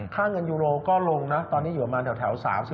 เงินยูโรก็ลงนะตอนนี้อยู่ประมาณแถว๓๔